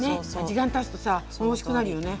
時間たつとさおいしくなるよね。